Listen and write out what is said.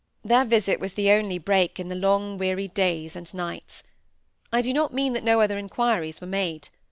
Their visit was the only break in the long weary days and nights. I do not mean that no other inquiries were made.